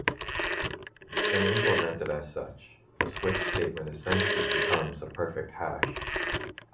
When implemented as such, a switch statement essentially becomes a perfect hash.